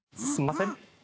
すみません。